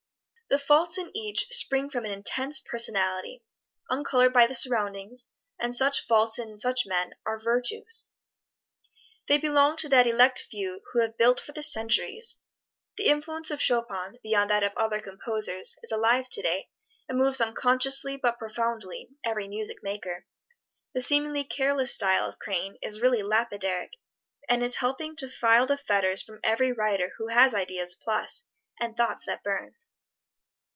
The faults in each spring from an intense personality, uncolored by the surroundings, and such faults in such men are virtues. They belong to that elect few who have built for the centuries. The influence of Chopin, beyond that of other composers, is alive today, and moves unconsciously, but profoundly, every music maker; the seemingly careless style of Crane is really lapidaric, and is helping to file the fetters from every writer who has ideas plus, and thoughts that burn.